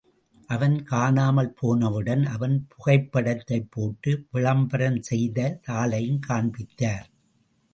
அவன் காணாமல் போனவுடன் அவன் புகைப்படத்தைப் போட்டு விளம்பரம் செய்த தாளையும் காண்பித்தார்.